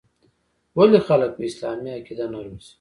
ولـې خـلـک پـه اسـلامـي عـقـيده نـه روزي.